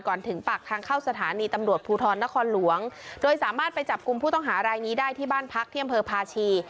ถึงปากทางเข้าสถานีตำรวจภูทรนครหลวงโดยสามารถไปจับกลุ่มผู้ต้องหารายนี้ได้ที่บ้านพักที่อำเภอพาชี